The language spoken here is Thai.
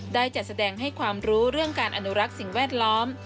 ได้จัดแสดงให้ความรู้เรื่องการอนุรักษ์สิ่งแวดล้อม